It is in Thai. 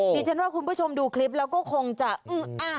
ดิฉันว่าคุณผู้ชมดูคลิปแล้วก็คงจะอื้ออ้า